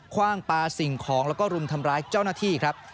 คว่างปลาสิ่งของแล้วก็รุมทำร้ายเจ้าหน้าที่ครับ